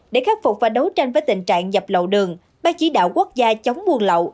để khắc phục và đấu tranh với tình trạng dập lậu đường ba chỉ đạo quốc gia chống buôn lậu